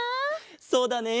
そうだね。